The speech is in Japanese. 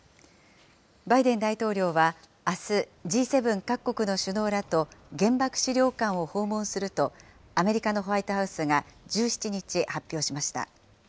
バイデン大統領はあす、Ｇ７各国の首脳らと原爆資料館を訪問すると、アメリカのホワイトハウスが１７日発表しました。